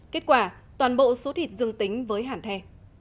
kết quả toàn bộ số thịt dương tính với hàn thê